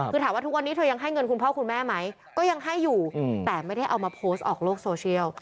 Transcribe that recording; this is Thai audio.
คือถามว่าทุกวันนี้เธอยังให้เงินคุณพ่อคุณแม่ไหมก็ยังให้อยู่แต่ไม่ได้เอามาโพสต์ออกโลกโซเชียล